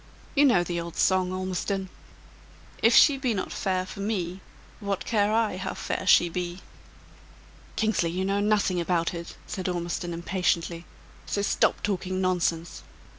You know the old song, Ormiston: 'If she be not fair for me What care I how fair she be!'" "Kingsley, you know nothing about it!" said Ormiston, impatiently. "So stop talking nonsense.